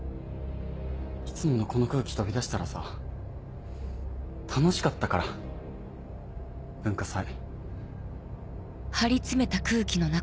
いつものこの空気飛び出したらさ楽しかったから文化祭。